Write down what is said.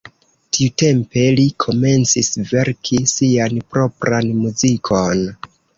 Tiutempe li komencis verki sian propran muzikon.